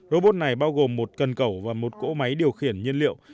robot này bao gồm một cân cẩu và một cỗ máy điều khiển nhiên liệu